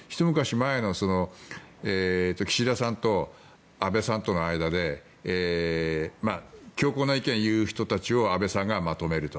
前岸田さんと安倍さんとの間で強硬な意見を言う人たちを安倍さんがまとめると。